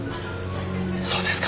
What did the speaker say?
そうですか。